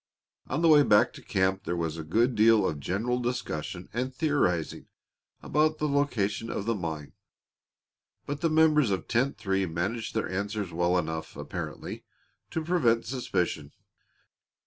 On the way back to camp there was a good deal of general discussion and theorizing about the location of the mine, but the members of Tent Three managed their answers well enough, apparently, to prevent suspicion.